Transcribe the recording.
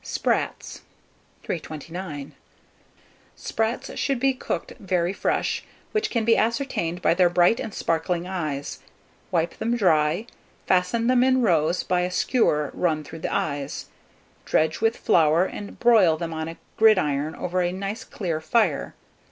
SPRATS. 329. Sprats should be cooked very fresh, which can be ascertained by their bright and sparkling eyes. Wipe them dry; fasten them in rows by a skewer run through the eyes; dredge with flour, and broil them on a gridiron over a nice clear fire.